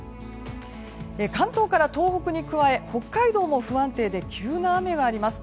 関東から東北に加え北海道も不安定で急な雨があります。